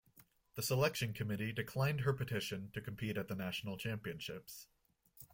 The selection committee declined her petition to compete at the National Championships.